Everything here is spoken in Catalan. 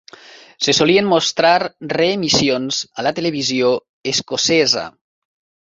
Se solien mostrar reemissions a la televisió escocesa.